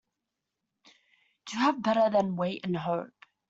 To have is better than to wait and hope.